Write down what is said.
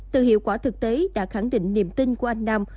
từ hiệu quả thực tế đã khẳng định niềm tin của anh nam